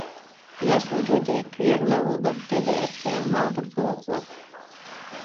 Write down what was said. ياز ۋۇجۇدى كۆيەر لاۋۇلداپ، تەبىئەتكە ماغدۇر تولۇقلاپ.